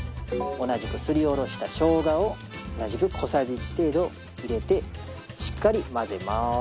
同じくすりおろした生姜を同じく小さじ１程度入れてしっかり混ぜます。